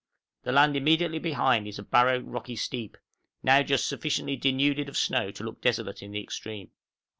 The land immediately behind is a barren rocky steep, now just sufficiently denuded of snow to look desolate in the extreme.